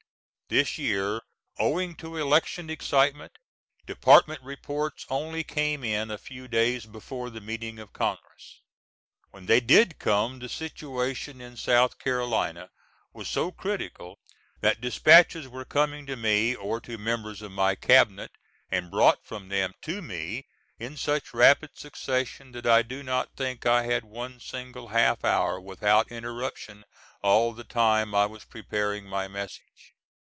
This year, owing to election excitement, department reports only came in a few days before the meeting of Congress. When they did come the situation in South Carolina was so critical that dispatches were coming to me, or to members of my cabinet, and brought from them to me in such rapid succession that I do not think I had one single half hour without interruption all the time I was preparing my message.